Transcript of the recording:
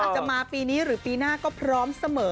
จะมาปีนี้หรือปีหน้าก็พร้อมเสมอ